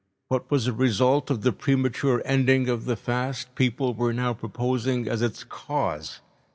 What was a result of the premature ending of the fast people were now proposing as its cause!